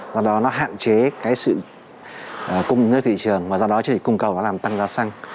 do đó nó hạn chế sự cung nơi thị trường do đó cung cầu nó làm tăng giá xăng